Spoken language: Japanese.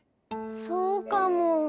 そうかも。